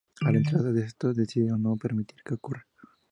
Al enterarse de esto, decide no permitir que ocurra.